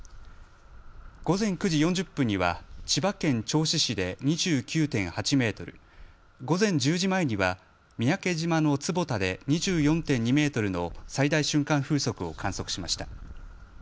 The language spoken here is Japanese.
午前９時４０分には千葉県銚子市で２９．８メートル、午前１０時前には三宅島の坪田で２４．２メートルの最大瞬間風速を観測しました。